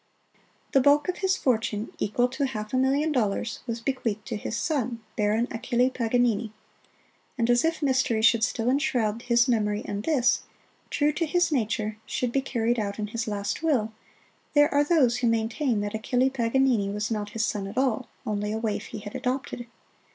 The bulk of his fortune, equal to half a million dollars, was bequeathed to his son, Baron Achille Paganini. And as if mystery should still enshroud his memory and this, true to his nature, should be carried out in his last will, there are those who maintain that Achille Paganini was not his son at all only a waif he had adopted.